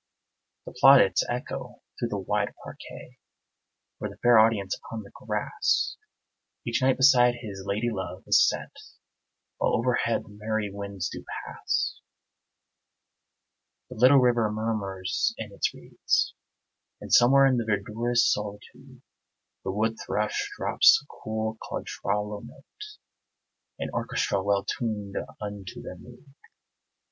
The plaudits echo through the wide parquet Where the fair audience upon the grass, Each knight beside his lady love, is set, While overhead the merry winds do pass. The little river murmurs in its reeds, And somewhere in the verdurous solitude The wood thrush drops a cool contralto note, An orchestra well tuned unto their mood.